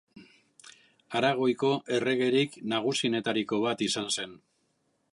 Aragoiko erregerik nagusienetariko bat izan zen.